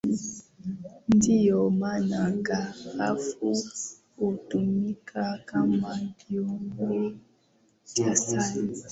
Ndio maana Karafuu hutumika kama kiungo cha chai